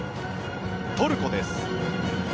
トルコです。